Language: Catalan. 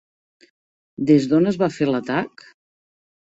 Des d'on es va fer l'atac?